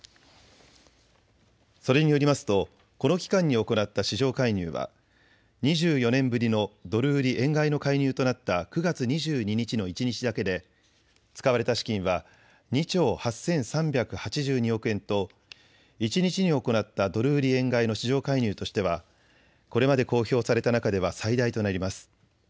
それによりますとこの期間に行った市場介入は２４年ぶりのドル売り円買いの介入となった９月２２日の一日だけで、使われた資金は２兆８３８２億円と一日に行ったドル売り円買いの市場介入としてはこれまで公表された中では最大となります。